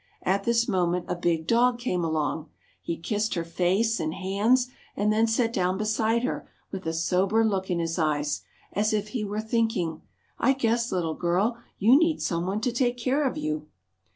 At this moment a big dog came along. He kissed her face and hands and then sat down beside her with a sober look in his eyes, as if he were thinking: "I guess, Little Girl, you need some one to take care of you!"